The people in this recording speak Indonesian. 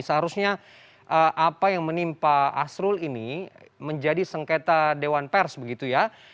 seharusnya apa yang menimpa asrul ini menjadi sengketa dewan pers begitu ya